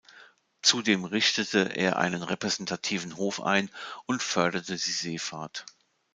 Zudem richtete er einen repräsentativen Hof ein und förderte die Seefahrt.